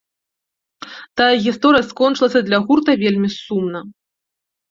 Тая гісторыя скончылася для гурта вельмі сумна.